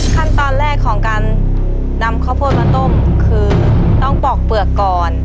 ขั้นตอนแรกของการนำข้าวโพดมาต้มคือต้องปอกเปลือกก่อน